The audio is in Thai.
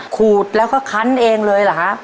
ขูดแล้วก็คันเองเลยเหรอฮะ